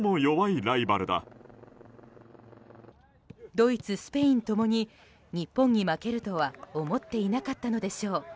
ドイツ、スペインともに日本に負けるとは思っていなかったのでしょう。